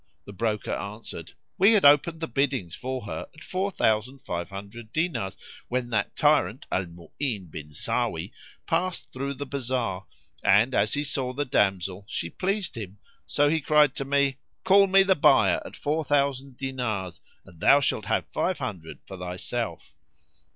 The broker answered, "We had opened the biddings for her at four thousand five hundred dinars; when that tyrant, Al Mu'ín bin Sáwí, passed through the bazar and, as he saw the damsel she pleased him, so he cried to me, 'Call me the buyer at four thousand dinars and thou shalt have five hundred for thyself.'